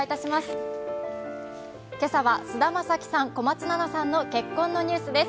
今朝は菅田将暉さん、小松菜奈さんの結婚のニュースです。